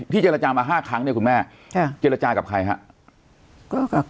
เจรจามา๕ครั้งเนี่ยคุณแม่เจรจากับใครครับ